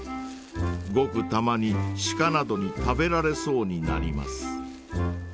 ごくたまにシカなどに食べられそうになります。